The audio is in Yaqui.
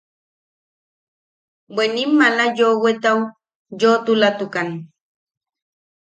Bwe ne nim maala yoʼowetau yoʼotulatukan.